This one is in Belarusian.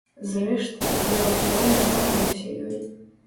Зрэшты, я ўсё роўна ганаруся ёй.